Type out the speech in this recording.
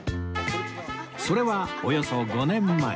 それはおよそ５年前